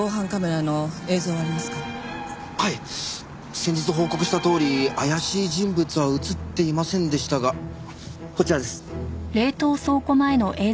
先日報告したとおり怪しい人物は映っていませんでしたがこちらです。